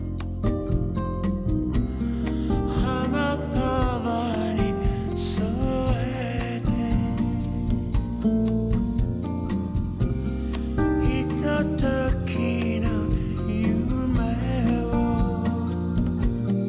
「花束に添えて」「ひとときの夢を」